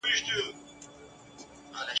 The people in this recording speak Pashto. لا تر څو به دا سړې دا اوږدې شپې وي ..